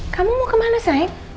kamu mau ke mana sayang